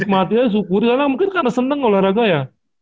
mungkin karena seneng olahraga ya